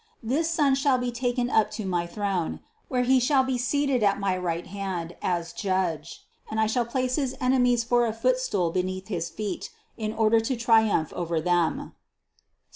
This Son shall be taken up to my throne, where He shall be seated at my right hand as Judge, and I will place his enemies for a footstool beneath his feet in order to triumph over them (Ps.